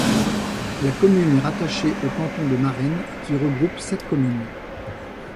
La commune est rattachée au canton de Marennes, qui regroupe sept communes.